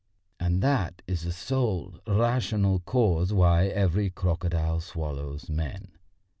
And that is the sole rational cause why every crocodile swallows men.